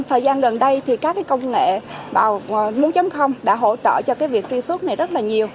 thời gian gần đây các công nghệ bốn đã hỗ trợ cho việc truy xuất này rất nhiều